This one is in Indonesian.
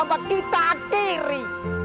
sampai kita akhiri